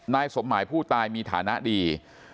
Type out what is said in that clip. นายสมหมายผู้ตายมีฐานะดี